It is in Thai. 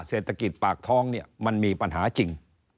เศรษฐกิจปากท้องเนี่ยมันมีปัญหาจริง